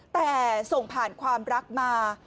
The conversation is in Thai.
แต่ส่งผ่านความรักมา